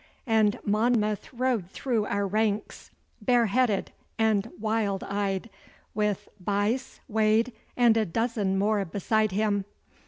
and Monmouth rode through our ranks, bare headed and wild eyed, with Buyse, Wade, and a dozen more beside him.